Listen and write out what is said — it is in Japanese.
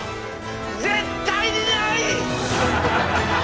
絶対にない！